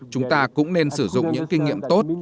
chúng ta cũng nên sử dụng những kinh nghiệm tốt